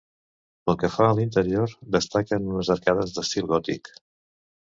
Pel que fa a l'interior, destaquen unes arcades d'estil gòtic.